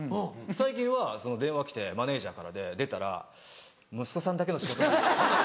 最近は電話来てマネジャーからで出たら「息子さんだけの仕事なんですけど」。